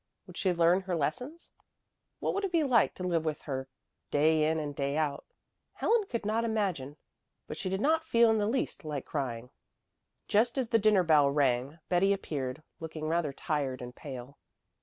Would she learn her lessons? What would it be like to live with her day in and day out? Helen could not imagine but she did not feel in the least like crying. Just as the dinner bell rang, Betty appeared, looking rather tired and pale.